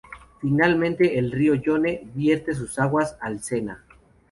Finalmente el río Yonne vierte sus aguas al Sena.